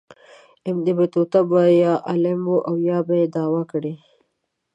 ابن بطوطه به یا عالم و او یا به یې دعوه کړې.